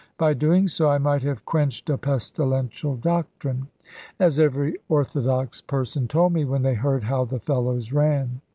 By doing so, I might have quenched a pestilential doctrine; as every orthodox person told me, when they heard how the fellows ran.